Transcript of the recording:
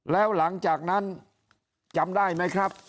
แล้วหลังจากนั้นจำได้ไหมครับ